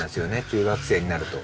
中学生になると。